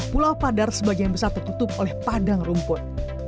pulau padar sebagian besar tertutup oleh padang rumput